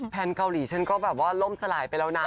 เกาหลีฉันก็แบบว่าล่มสลายไปแล้วนะ